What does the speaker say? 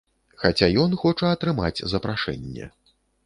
Хаця ён хоча атрымаць запрашэнне.